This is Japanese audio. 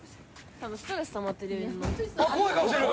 多分ストレスたまってるよ犬の。